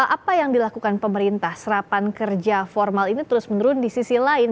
apa yang dilakukan pemerintah serapan kerja formal ini terus menurun di sisi lain